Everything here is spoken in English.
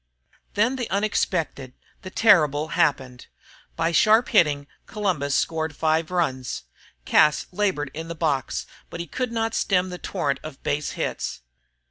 Then the unexpected, the terrible, happened. By sharp hitting Columbus scored five runs. Cas labored in the box, but he could not stem the torrent of base hits.